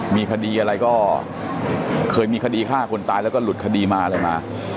มีคดีอะไรก็เคยมีคดีฆ่าคนตายแล้วก็หลุดคดีมาอะไรมา